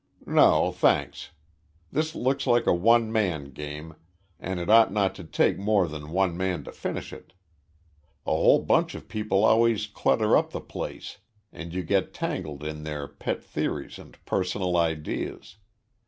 "No, thanks. This looks like a one man game and it ought not to take more than one man to finish it. A whole bunch of people always clutter up the place and get you tangled in their pet theories and personal ideas.